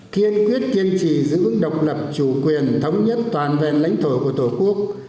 thiên quyết tiên trì giữ ước độc lập chủ quyền thống nhất toàn vẹn lãnh thổ của tổ quốc